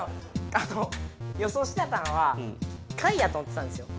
よそうしてたのは貝やと思ってたんですよ。